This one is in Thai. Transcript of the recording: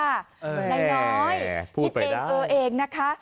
นายน้อยพูดไปได้ที่เป็นเออเองนะคะ